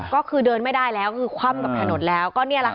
ก็คือเดินไม่ได้แล้วคว่ำกับถนนแล้ว